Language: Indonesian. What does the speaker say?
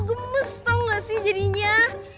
gemes tau gak sih jadinya